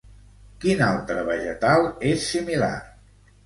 Quin altre vegetal és similar?